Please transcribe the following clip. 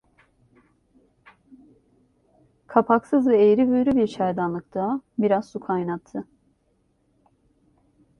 Kapaksız ve eğri büğrü bir çaydanlıkta biraz su kaynattı.